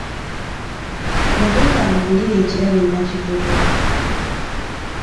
Yagenda amugulire ekirabo e Nakivubo.